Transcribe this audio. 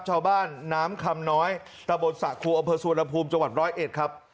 ชาวบ้านน้ำคำน้อยระบวนศักดิ์ครูอำเภอสุวรรณภูมิจังหวัด๑๐๑ครับ